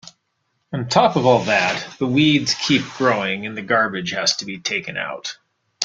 On top of all that, the weeds keep growing and the garbage has to be taken out.